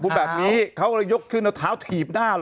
บ้างแบบนี้เขาก็หลงยกขึ้นถาวถี่บหน้า